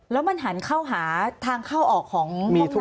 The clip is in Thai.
แล้วมันหันเข้าหาทางเข้าออกของห้องน้ำ